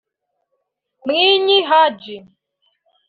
Mwinyi Hadji